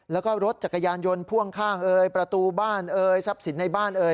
แล้วก็รถจักรยานยนต์พ่วงข้างประตูบ้านทรัพย์สินในบ้าน